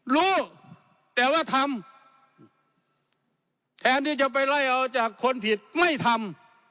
รู้แต่ว่าทำแทนที่จะไปไล่เอาจากคนผิดไม่ทำ